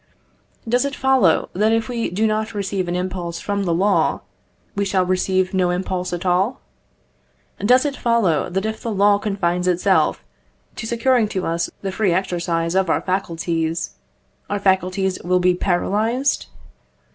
Does it follow, that if we do not receive an impulse from the law, we shall receive no impulse at all? Does it follow, that if the law confines itself to securing to us the free exercise of our faculties, our faculties will be paralyzed?